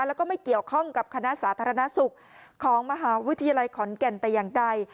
แล้วก็ไม่เกี่ยวข้องกับคณะสาธารณสุขของมหาวิทยาลัยขอนแก่นแต่อย่างใด